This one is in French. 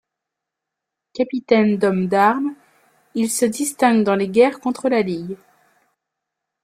Capitaine d'hommes d'armes, il se distingue dans les guerres contre la Ligue.